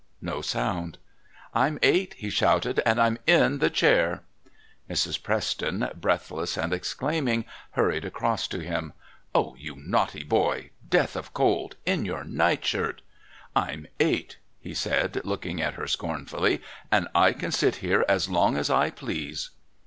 No sound. "I'm eight," he shouted, "and I'm in the chair." Mrs. Preston, breathless and exclaiming, hurried across to him. "Oh, you naughty boy... death of cold... in your nightshirt." "I'm eight," he said, looking at her scornfully, "and I can sit here as long as I please."